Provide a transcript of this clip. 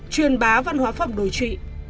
truyền bá văn hóa phẩm đồi trị